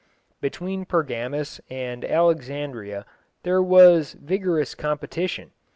Between Pergamus and Alexandria there was vigorous competition.